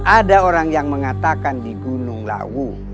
ada orang yang mengatakan di gunung lawu